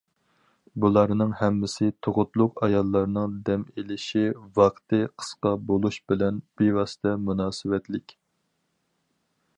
بۇلارنىڭ ھەممىسى تۇغۇتلۇق ئاياللارنىڭ دەم ئېلىشى ۋاقتى قىسقا بولۇش بىلەن بىۋاسىتە مۇناسىۋەتلىك.